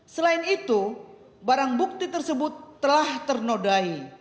selain itu barang bukti tersebut telah ternodai